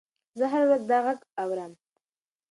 زه هره ورځ دا غږ اورم.